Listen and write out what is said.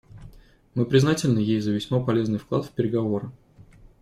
Мы признательны ей за весьма полезный вклад в переговоры.